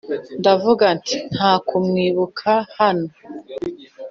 ndavuga nti: “nta kumwibuka hano!”